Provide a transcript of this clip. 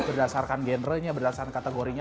berdasarkan generenya berdasarkan kategorinya